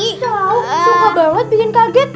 susah banget bikin kaget